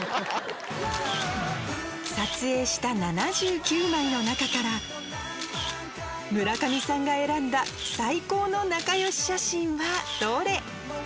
撮影した７９枚の中から村上さんが選んだ最高の仲良し写真はどれ？